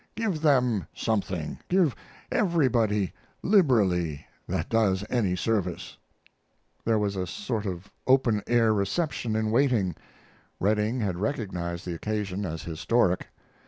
"Give them something give everybody liberally that does any service." There was a sort of open air reception in waiting. Redding had recognized the occasion as historic.